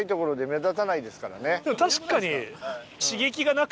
でも確かに。